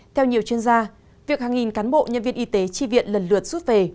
theo nhiều chuyên gia việc hàng nghìn cán bộ nhân viên y tế chi viện lần lượt rút về